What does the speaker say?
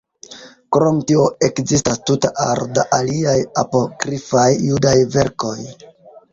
Krom tio ekzistas tuta aro da aliaj Apokrifaj Judaj verkoj.